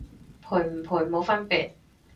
賠唔賠冇分別